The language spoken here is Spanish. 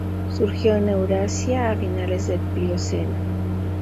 Surgió en Eurasia a finales del Plioceno.